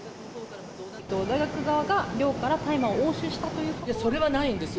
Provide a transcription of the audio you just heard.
大学側が寮から大麻を押収しそれはないです。